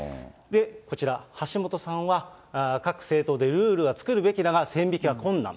こちら、橋下さんは、各政党でルールは作るべきだが、線引きは困難。